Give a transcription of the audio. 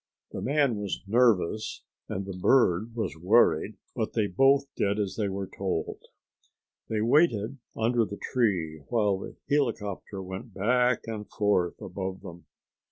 The man was nervous and the bird was worried, but they both did as they were told. They waited under the tree while the helicopter went back and forth above them.